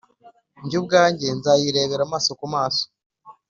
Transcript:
jye ubwanjye nzayirebera amaso ku maso